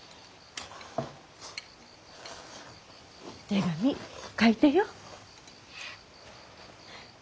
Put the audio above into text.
手紙書いてよ。